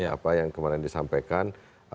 apa yang kemarin disampaikan